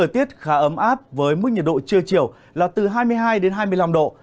tiết khá ấm áp với mức nhiệt độ trưa chiều là từ hai mươi hai đến hai mươi năm độ